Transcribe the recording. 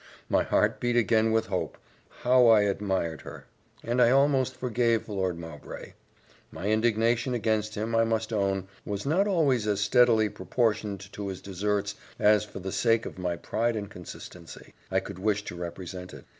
My heart beat again with hope how I admired her! and I almost forgave Lord Mowbray. My indignation against him, I must own, was not always as steadily proportioned to his deserts as for the sake of my pride and consistency I could wish to represent it.